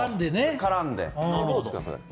絡んで。